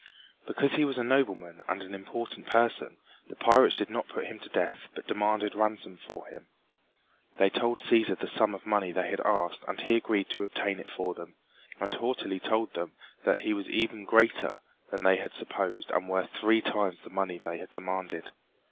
Because he was a nobleman and an important person the pirates did not put him to death but demanded ransom for him. They told Cæsar the sum of money they had asked and he agreed to obtain it for them, and haughtily told them that he was even greater than they had supposed and worth three times the money they had demanded.